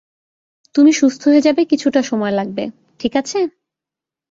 তুমি সুস্থ হয়ে যাবে কিছুটা সময় লাগবে, ঠিক আছে?